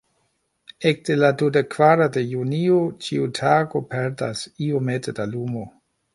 Ekde la dudekkvara de junio, ĉiu tago perdas iomete da lumo.